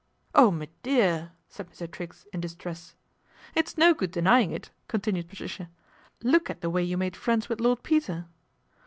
Oh, me dear !" said Mr. Triggs in distress. It's no good denying it," continued Patricia. Look at the way you made friends with Lord eter."